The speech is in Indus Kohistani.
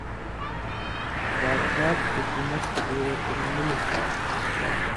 باچھات/حُکمت سورت الملک